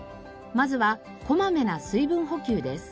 まずはこまめな水分補給です。